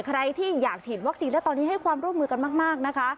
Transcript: ใครที่อยากฉีดวัคซีนและตอนนี้ให้ความร่วมมือกันมากนะคะ